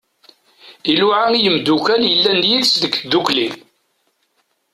Iluɛa i yimddukal yellan yid-s deg tddukli.